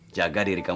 jaga diri kamu